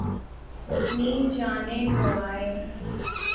اپنی جانیں گنوائیں